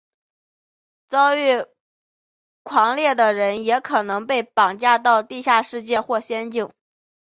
遭遇狂猎的人也可能被绑架到地下世界或者仙境。